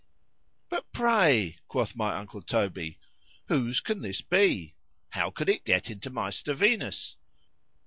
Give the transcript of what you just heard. ——But pray, quoth my uncle Toby,—who's can this be?—How could it get into my Stevinus?